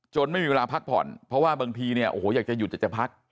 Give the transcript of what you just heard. จนไม่มีเวลาพักผ่อนเพราะว่าบางทีเนี่ยอยากจะหยุดแต่จะพัก